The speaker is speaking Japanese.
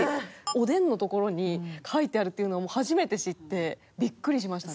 おでんのところに書いてあるっていうのも初めて知ってビックリしました。